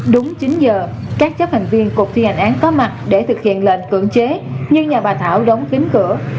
đúng chín giờ các chấp hành viên cục thi hành án có mặt để thực hiện lệnh cưỡng chế nhưng nhà bà thảo đóng kín cửa